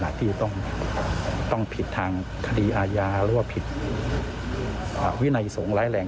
ที่จะต้องผิดทางคดีอาญาหรือว่าผิดวินัยสงฆ์ร้ายแรง